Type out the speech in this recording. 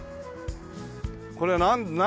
これは何？